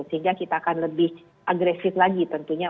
sehingga kita akan lebih agresif lagi tentunya